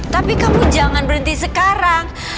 tapi kamu jangan berhenti sekarang